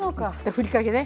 ふりかけね。